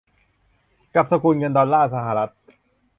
กับสกุลเงินดอลลาร์สหรัฐ